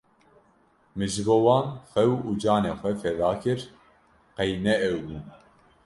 min ji bo wan xew û canê xwe feda dikir qey ne ew bûn.